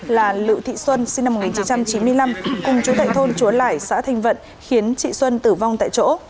là lự thị xuân sinh năm một nghìn chín trăm chín mươi năm cùng chú tại thôn chúa lại xã thanh vận khiến chị xuân tử vong tại chỗ